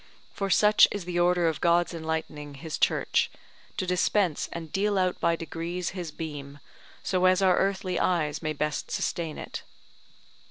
For such is the order of God's enlightening his Church, to dispense and deal out by degrees his beam, so as our earthly eyes may best sustain it.